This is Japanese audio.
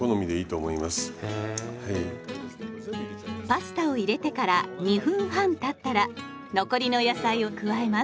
パスタを入れてから２分半たったら残りの野菜を加えます。